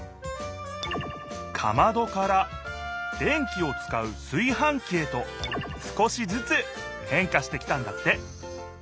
かまどから電気をつかうすいはんきへと少しずつ変化してきたんだって